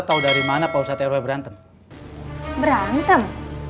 tau dari mana pak ustad rw berantem berantem